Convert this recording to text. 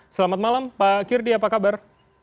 selamat malam pak kirdi apa kabar